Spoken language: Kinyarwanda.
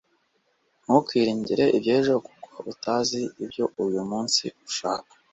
ntukiringire iby'ejo kuko utazi icyo uyu munsi uhaka